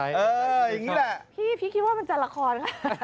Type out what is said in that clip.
พี่พี่คิดว่ามันจะละคร